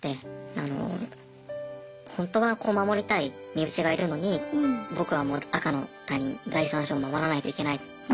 あのホントは守りたい身内がいるのに僕は赤の他人第三者を守らないといけない。